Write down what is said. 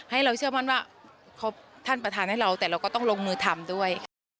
ให้เราเชื่อมั่นว่าท่านประธานให้เราแต่เราก็ต้องลงมือทำด้วยค่ะ